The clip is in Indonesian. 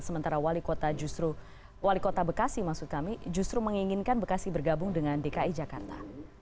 sementara wali kota bekasi justru menginginkan bekasi bergabung dengan dki jakarta